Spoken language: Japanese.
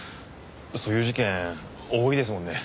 そういう事件多いですもんね。